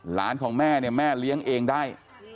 ของแม่เนี่ยแม่เลี้ยงเองได้